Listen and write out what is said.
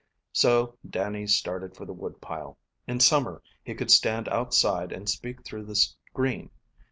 So Dannie started for the wood pile. In summer he could stand outside and speak through the screen.